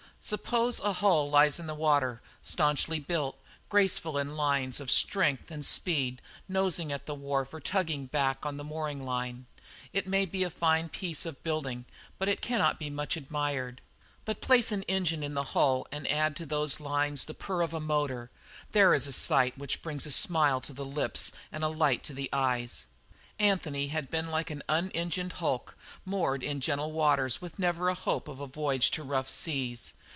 Suppose a hull lies in the water, stanchly built, graceful in lines of strength and speed, nosing at the wharf or tugging back on the mooring line, it may be a fine piece of building but it cannot be much admired. But place an engine in the hull and add to those fine lines the purr of a motor there is a sight which brings a smile to the lips and a light in the eyes. Anthony had been like the unengined hulk, moored in gentle waters with never the hope of a voyage to rough seas.